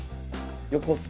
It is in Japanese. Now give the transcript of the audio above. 横須賀。